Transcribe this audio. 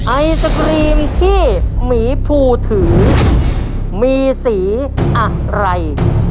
ไอศครีมที่หมีภูถือมีสีอะไร